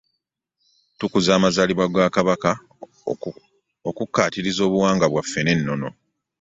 Tukuza amazaalibwa ga Kabaka okukkaatiriza obuwangwa bwaffe n'ennono